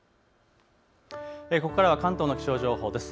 ここからは関東の気象情報です。